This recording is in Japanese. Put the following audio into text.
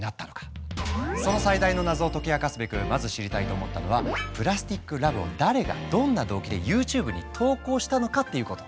その最大の謎を解き明かすべくまず知りたいと思ったのは「ＰＬＡＳＴＩＣＬＯＶＥ」を誰がどんな動機でＹｏｕＴｕｂｅに投稿したのかっていうこと。